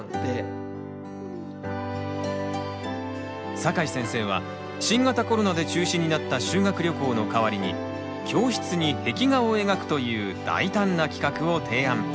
酒井先生は新型コロナで中止になった修学旅行の代わりに教室に壁画を描くという大胆な企画を提案。